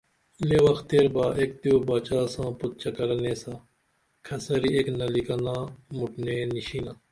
لے وخ تیر با ایک دیو باچا ساں پُت چکرہ نیسا، کھسری ایک نلی کنا مُٹ نیع نیشینا